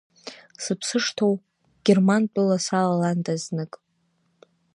Сыԥсы шҭоу Германтәыла салаландаз, знык…